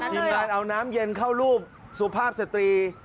ทีมงานเอาน้ำเย็นเข้ารูปสุภาพสตรี